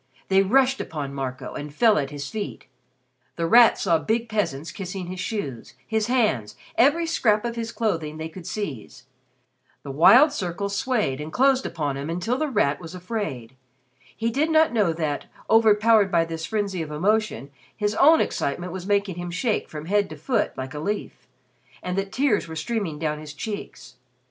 They rushed upon Marco, and fell at his feet. The Rat saw big peasants kissing his shoes, his hands, every scrap of his clothing they could seize. The wild circle swayed and closed upon him until The Rat was afraid. He did not know that, overpowered by this frenzy of emotion, his own excitement was making him shake from head to foot like a leaf, and that tears were streaming down his cheeks.